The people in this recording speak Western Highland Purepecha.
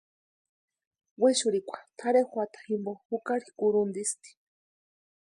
Wexurhikwa tʼarhe juata jimpo jukari kurhuntisti.